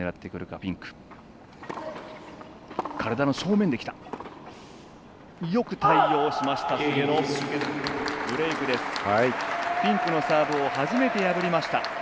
フィンクのサーブを初めて破りました。